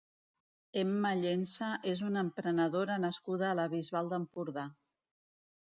Emma Llensa és una emprenedora nascuda a la Bisbal d'Empordà.